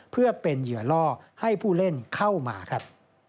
เพื่อเป็นเหยื่อล่อให้ผู้เล่นเข้ามาครับ